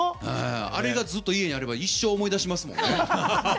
あれがずっと家にあれば一生、思い出しますもんね。